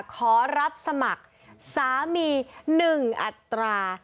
ขอรับสมัครสามี๑อัตรา